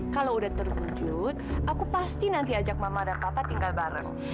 kalau udah terwujud aku pasti nanti ajak mama dan papa tinggal bareng